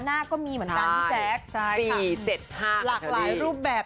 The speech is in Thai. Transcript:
หน้าก็มีเหมือนกันพี่แจ๊กใช่ค่ะสี่เจ็ดห้าหลากหลายรูปแบบ